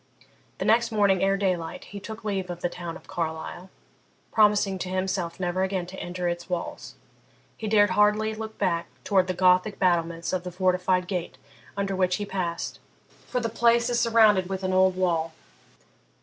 The next morning ere daylight he took leave of the town of Carlisle, promising to himself never again to enter its walls. He dared hardly look back towards the Gothic battlements of the fortified gate under which he passed, for the place is surrounded with an old wall.